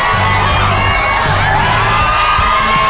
๕๐พวง